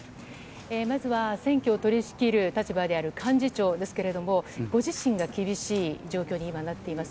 まずは選挙を取りしきる立場である幹事長ですけれども、ご自身が厳しい状況に今、なっています。